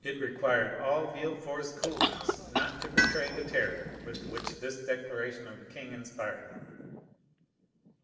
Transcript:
It required all Villefort's coolness not to betray the terror with which this declaration of the king inspired him.